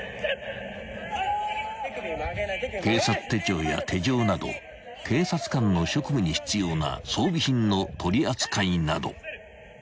［警察手帳や手錠など警察官の職務に必要な装備品の取り扱いなど］